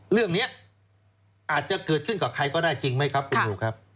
เรื่องนี้อาจจะเกิดขึ้นกับใครก็ได้จริงไหมครับคุณนิวครับ